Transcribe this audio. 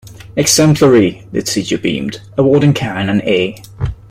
Exemplary, the teacher beamed, awarding Karen an A.